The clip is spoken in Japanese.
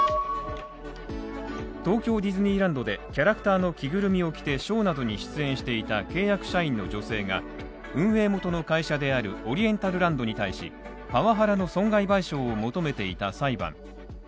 東京ディズニーランドでキャラクターの着ぐるみを着てショーなどに出演していた契約社員の女性が運営元の会社であるオリエンタルランドに対しパワハラの損害賠償を求めていた裁判。